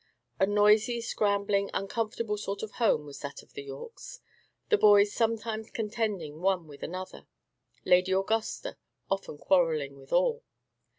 A noisy, scrambling, uncomfortable sort of home was that of the Yorkes; the boys sometimes contending one with another, Lady Augusta often quarrelling with all.